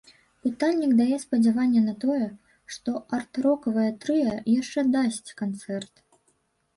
Пытальнік дае спадзяванне на тое, што арт-рокавае трыа яшчэ дасць канцэрт.